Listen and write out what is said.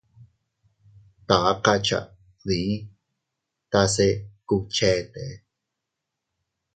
Taka cha dii tase kubchete.